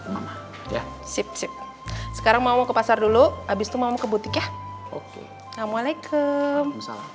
mama ya sip sip sekarang mau ke pasar dulu abis itu mau ke butik ya oke assalamualaikum